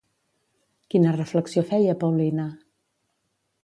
Quina reflexió feia Paulina?